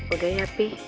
udah ya pi